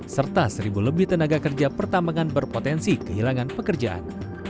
serta seribu lebih tenaga kerja pertambangan berpotensi kehilangan pekerjaan